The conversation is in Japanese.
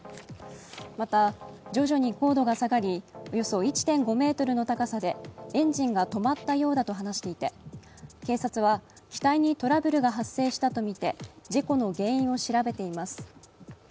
また、徐々に高度が下がり、およそ１．５ｍの高さでエンジンが止まったようだと話していて警察は機体にトラブルが発生したとみて事故の原因を調べています。